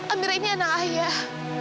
amirah ini anak ayah